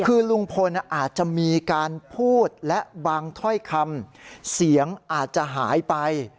คือลุงพลอาจจะมีการพูดและบางถ้อยคำเสียงอาจจะหายไป